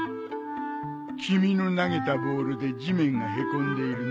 君の投げたボールで地面がへこんでいるね。